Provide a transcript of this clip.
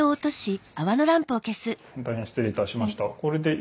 本当に失礼いたしました。